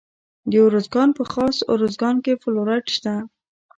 د ارزګان په خاص ارزګان کې فلورایټ شته.